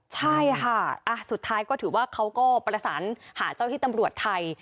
ใช่ค่ะสุดท้ายก็ถือว่าเขาก็ประสานหาเจ้าที่ตำรวจไทย